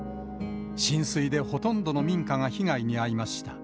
浸水でほとんどの民家が被害に遭いました。